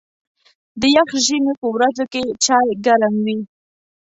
د یخ ژمي په ورځو کې چای ګرم وي.